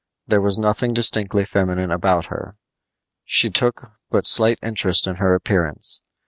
There was nothing distinctly feminine about her. She took but slight interest in her appearance.